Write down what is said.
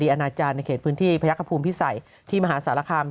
คดีอาณาจารย์ในเขตพื้นที่พมพิสัยที่มหาศาลคาม